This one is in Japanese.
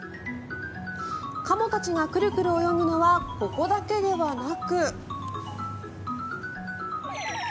カモたちがくるくる泳ぐのはここだけではなく。